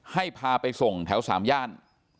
ให้พาไปส่งแถว๓ย่าน